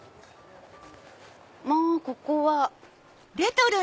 もうここは。